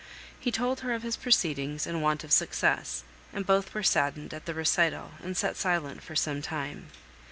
He told her of his proceedings and want of success; and both were saddened at the recital, and sat silent for some time.